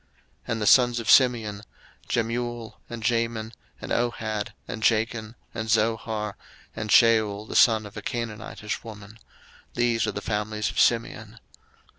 02:006:015 And the sons of Simeon; Jemuel, and Jamin, and Ohad, and Jachin, and Zohar, and Shaul the son of a Canaanitish woman: these are the families of Simeon.